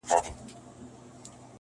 • نن دي واری د عمل دی قدم اخله روانېږه -